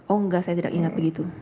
oh enggak saya tidak ingat begitu